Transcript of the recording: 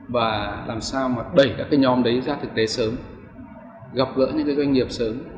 và làm sao đẩy các nhóm đấy ra thực tế sớm gặp gỡ những doanh nghiệp sớm